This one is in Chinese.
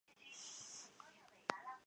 如今的云南驿机场实为原北屯机场。